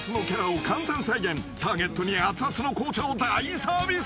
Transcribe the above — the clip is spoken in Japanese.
［ターゲットにあつあつの紅茶を大サービス］